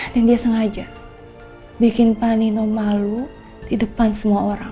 dan dia sengaja bikin pak nino malu di depan semua orang